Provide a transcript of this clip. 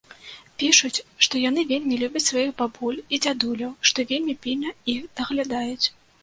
Пішуць, што яны вельмі любяць сваіх бабуль і дзядуляў, што вельмі пільна іх даглядаюць.